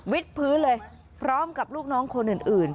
วิทธิ์พื้นเลยพร้อมกับลูกน้องคนอื่นอื่น